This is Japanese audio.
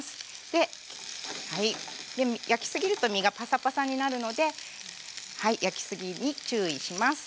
で焼き過ぎると身がパサパサになるので焼き過ぎに注意します。